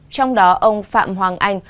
trong đó ông phạm hoàng anh